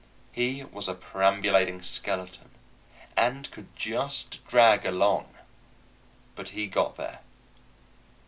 He was a perambulating skeleton, and could just drag along; but he got there.